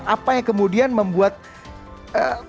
apa yang kemudian membuat tempat tempatnya